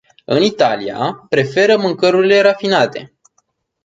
În Italia, preferă mâncărurile rafinate.